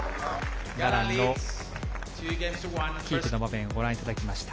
ガランのキープの場面をご覧いただきました。